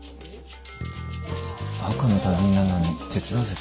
赤の他人なのに手伝わせていいのか？